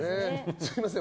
すみません。